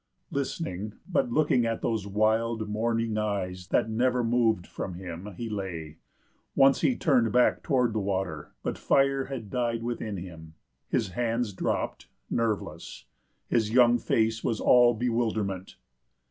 Listening, but looking at those wild, mourning eyes that never moved from him, he lay. Once he turned back toward the water, but fire had died within him; his hands dropped, nerveless—his young face was all bewilderment.